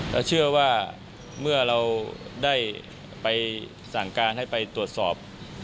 แล้วเชื่อว่าเมื่อเราได้ไปสั่งการให้ไปตรวจสอบ